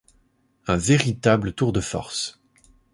Un véritable tour de force.